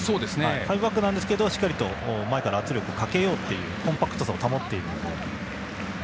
ファイブバックなんですがしっかり前から圧力をかけようというコンパクトさを保っているので。